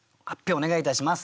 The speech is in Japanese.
お願いいたします。